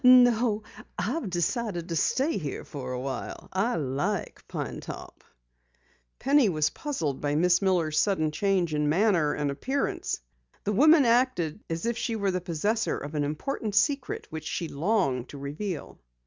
"No, I've decided to stay here for awhile. I like Pine Top." Penny was puzzled by Miss Miller's sudden change in manner and appearance. The woman acted as if she were the possessor of an important secret which she longed to reveal.